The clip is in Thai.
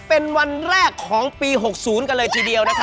เป็นวันแรกของปี๖๐กันเลยทีเดียวนะคะ